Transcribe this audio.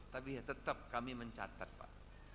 tapi tetap kami mencatat pak